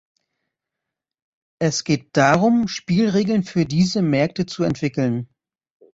Es geht darum, Spielregeln für diese Märkte zu entwickeln.